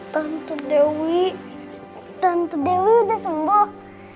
tante dewi tante dewi udah sembuh